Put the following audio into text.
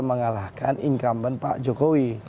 mengalahkan incumbent pak jokowi